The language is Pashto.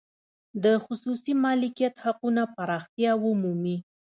د خصوصي مالکیت حقونه پراختیا ومومي.